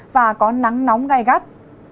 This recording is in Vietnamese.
và có nắng nóng gai gắt